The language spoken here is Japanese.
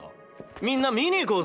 みんな見に行こうぜ！